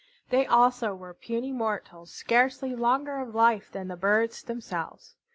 They also were puny mortals, scarcely longer of life than the birds themselves.